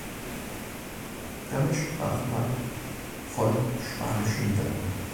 Damit sprach man von "Spanische Niederlande".